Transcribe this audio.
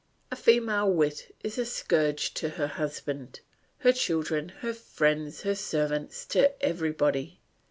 A female wit is a scourge to her husband, her children, her friends, her servants, to everybody.